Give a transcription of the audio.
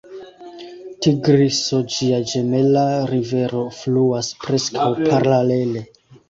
Tigriso, ĝia ĝemela rivero, fluas preskaŭ paralele.